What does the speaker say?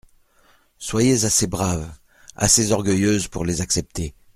Soyez assez brave, assez orgueilleuse pour les accepter.